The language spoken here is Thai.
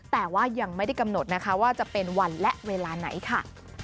แต่ว่ายังไม่ได้กำหนดนะคะว่าจะเป็นวันและเวลาไหนค่ะ